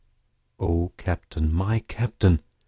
O Captain! my Captain!